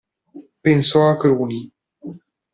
Pensò a Cruni.